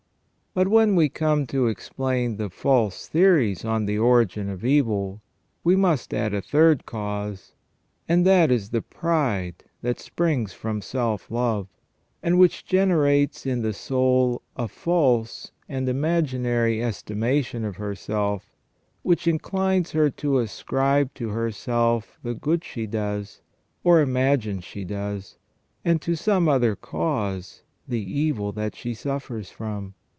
But when we come to explain the false theories on the origin of evil, we must add a third cause, and that is the pride that springs from self love, and which generates in the soul a false and imaginary estimation of herself, which inclines her to ascribe to herself the good she does, or imagines she does, and to some other cause the evil that she suffers from.